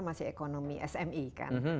masih ekonomi sme kan